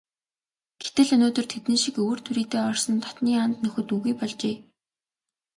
Гэтэл өнөөдөр тэдэн шиг өвөр түрийдээ орсон дотнын анд нөхөд үгүй болжээ.